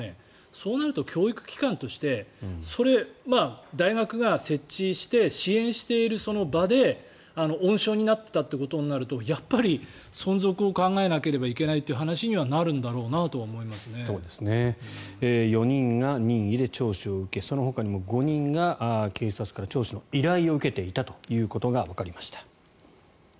そうなると教育機関として大学が設置して支援しているその場で温床になってたということになるとやっぱり存続を考えなければいけないという話には４人が任意で聴取を受けそのほかにも５人が警察から聴取の依頼を受けていたことがわかりました。